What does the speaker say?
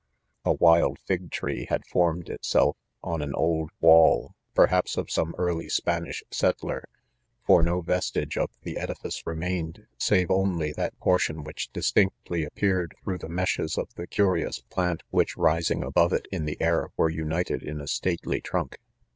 "A wild fig tree had formed itself on an old wall* perhaps of some early Spanish settler,, for no vestige of the edifice remained, save only that portion which distinctly appeared through the meshes of the curfous plant, which rising above it in the air were^united in a stately trunk.